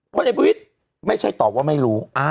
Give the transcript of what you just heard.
พไอบวิทไม่ใช่ตอบว่าไม่รู้